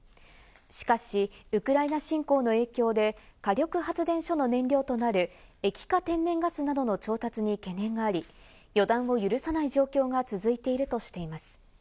しかし、ウクライナ侵攻の影響で火力発電所の燃料となる液化天然ガスなどの調達に懸念があり、予断を許さない状況が続いているとしています。